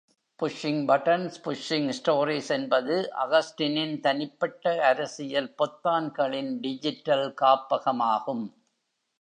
"Pushing buttons, pushing stories" என்பது அகஸ்டினின் தனிப்பட்ட அரசியல் பொத்தான்களின் டிஜிட்டல் காப்பகமாகும்.